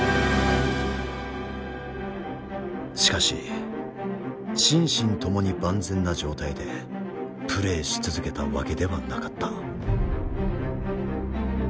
しかし心身ともに万全な状態でプレーし続けたわけではなかった。